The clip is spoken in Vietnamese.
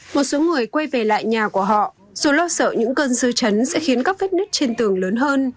một số người quay về lại nhà của họ dù lo sợ những cơn dư chấn sẽ khiến các vết nứt trên tường lớn hơn